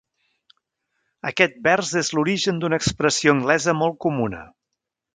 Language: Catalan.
Aquest vers és l'origen d'una expressió anglesa molt comuna.